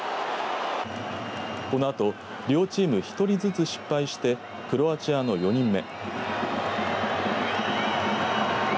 このあと両チーム１人ずつ失敗してクロアチアの４人目。